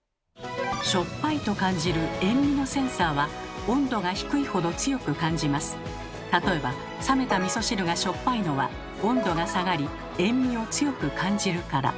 しょっぱいと感じる例えば冷めたみそ汁がしょっぱいのは温度が下がり塩味を強く感じるから。